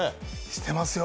してますよ